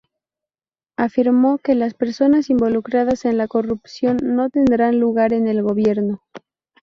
Afirmó que "las personas involucradas en la corrupción no tendrán lugar en el gobierno".